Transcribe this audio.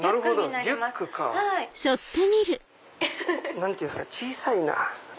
何て言うんすか小さいな。